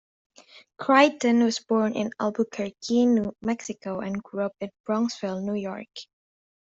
Crichton was born in Albuquerque, New Mexico, and grew up in Bronxville, New York.